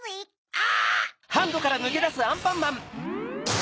あ！